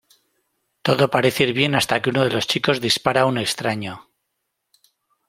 Todo parece ir bien hasta que uno de los chicos dispara a un extraño.